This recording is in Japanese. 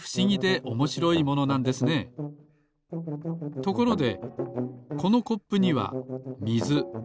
ところでこのコップにはみず。